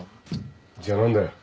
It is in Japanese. じゃ何だよ。